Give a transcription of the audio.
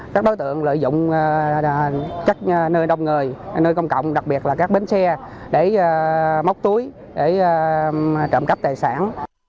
các đối tượng lợi dụng các nơi đông người nơi công cộng đặc biệt là các bến xe để móc túi để trộm cắp tài sản